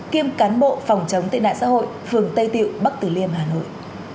kiêm cán bộ phòng chống tệ nạn xã hội phường tây tiệu bắc tử liêm hà nội